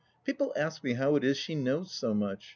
People ask me how it is she knows so much.